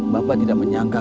bapak tidak menyangka